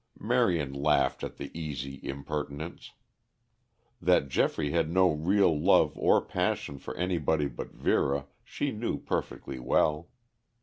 Marion laughed at the easy impertinence. That Geoffrey had no real love or passion for anybody but Vera she knew perfectly well.